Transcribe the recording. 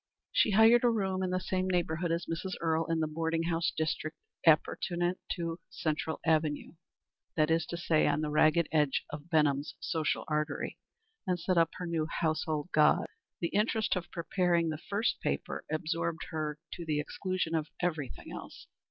She hired a room in the same neighborhood as Mrs. Earle, in the boarding house district appurtenant to Central Avenue that is to say, on the ragged edge of Benham's social artery, and set up her new household gods. The interest of preparing the first paper absorbed her to the exclusion of everything else.